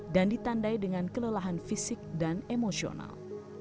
dan ditandai dengan kelelahan fisik dan emosional